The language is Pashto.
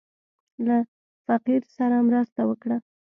له فقير سره مرسته وکړه.